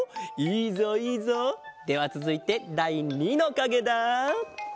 いいぞいいぞ！ではつづいてだい２のかげだ！